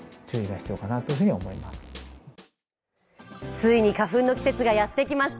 ついに花粉の季節がやってきました。